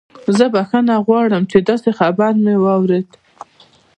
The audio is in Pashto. زه بخښنه غواړم چې داسې خبر مې واورید